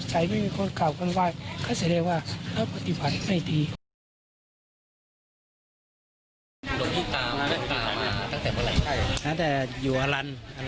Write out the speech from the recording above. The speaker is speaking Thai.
ถ้าแต่อยู่อลานอลานประเทศอบริษัทจังหวัดสเกล